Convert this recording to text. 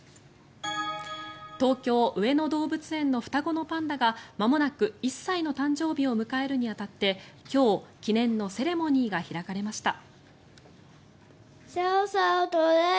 東京・上野動物園の双子のパンダがまもなく１歳の誕生日を迎えるに当たって今日、記念のセレモニーが開かれました。